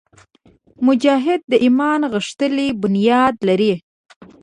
مجاهد د ایمان غښتلی بنیاد لري.